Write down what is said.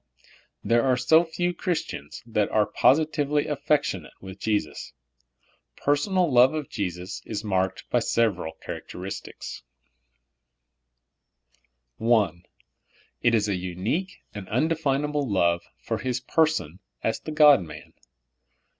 There are so few Christians that are positively af fectionate with Jesus. Personal love of Jesus is marked by several characteristics : I. It is a unique and undefinable love for His person as the God man.